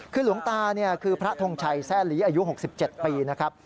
คือหลวงตาคือพระทงชัยแร่หลีอายุ๖๗ปีนะครับ